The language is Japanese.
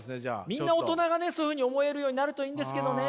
みんな大人がねそういうふうに思えるようになるといいんですけどね。